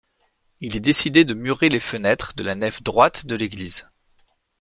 Il est décidé de murer les fenêtres de la nef droite de l'église.